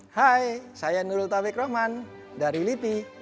hai saya nurul tawik roman dari liti